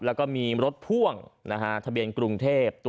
แล้วก็รถพ่วงถบกรุงเทพฯ